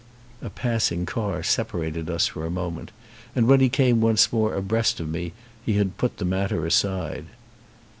A passing car separated us for a moment and when he came once more abreast of me he had put the matter aside.